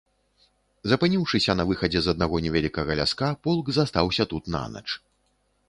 Запыніўшыся на выхадзе з аднаго невялікага ляска, полк застаўся тут нанач.